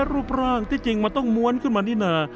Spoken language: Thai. รูปร่างที่จริงมันต้องม้วนขึ้นมานี่นา